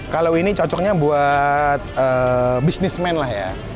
kalau ini cocoknya buat bisnismen lah ya